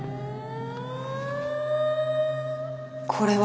これは。